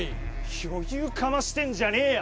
余裕かましてんじゃねえよ！